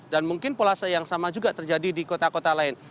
dan mungkin pola yang sama juga terjadi di kota kota lain